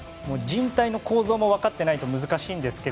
人体の構造も分かっていないと難しいんですが。